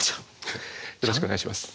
よろしくお願いします。